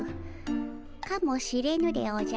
かもしれぬでおじゃる。